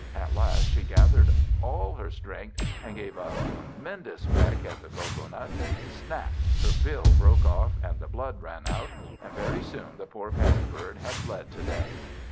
At last she gathered all her strength, and gave a tremendous peck at the cocoa nut. Snap! her bill broke off, and the blood ran out, and very soon the poor Paddy bird had bled to death.